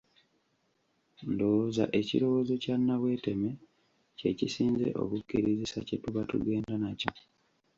Ndowooza ekirowoozo kya Nabweteme kye kisinze okukkirizika kye tuba tugenda nakyo.